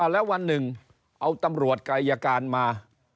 แล้ววันหนึ่งเอาตำรวจกายการมา